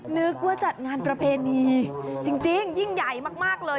นึกว่าจัดงานประเพณีจริงยิ่งใหญ่มากเลย